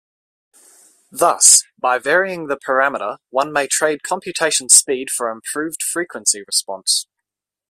Thus, by varying the parameter one may trade computation speed for improved frequency response.